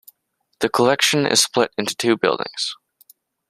The collection is split into two buildings.